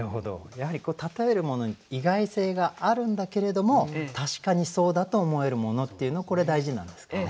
やはり例えるものに意外性があるんだけれども確かにそうだと思えるものっていうのこれ大事なんですかね。